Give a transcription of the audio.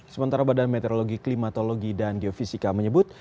sementara badan meteorologi klimatologi dan geofisika menyebut